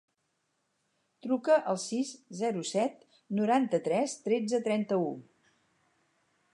Truca al sis, zero, set, noranta-tres, tretze, trenta-u.